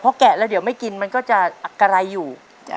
แกะแล้วเดี๋ยวไม่กินมันก็จะอักกะไรอยู่